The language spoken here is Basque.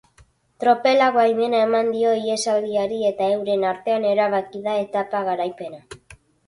Tropelak baimena eman dio ihesaldiari eta euren artean erabaki da etapa garaipena.